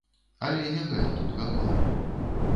Але не гэта тут галоўнае.